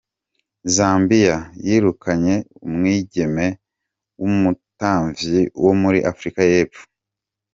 Zambia yirukanye umwigeme w'umutamvyi wo muri Afrika Yepfo.